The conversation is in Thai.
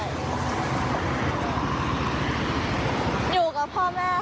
อยู่กับพ่อแม่